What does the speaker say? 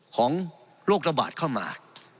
โรคระบาดเข้ามา